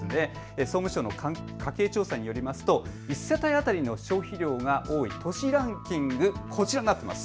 総務省の家計調査によると１世帯当たりの消費量が多い都市ランキングがこちらです。